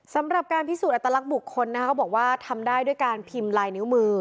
สำหรับการพิสูจนอัตลักษณ์บุคคลนะคะเขาบอกว่าทำได้ด้วยการพิมพ์ลายนิ้วมือ